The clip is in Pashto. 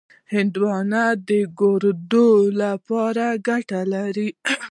هندوانه د ګردو لپاره ګټه لري.